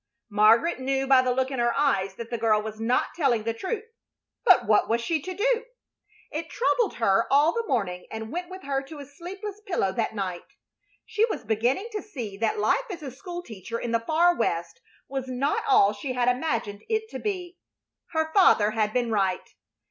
Margaret knew by the look in her eyes that the girl was not telling the truth, but what was she to do? It troubled her all the morning and went with her to a sleepless pillow that night. She was beginning to see that life as a school teacher in the far West was not all she had imagined it to be. Her father had been right.